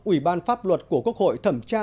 ủy ban pháp luật của quốc hội thẩm tra